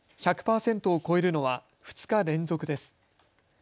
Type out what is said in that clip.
１００％を超えるのは２日連続です。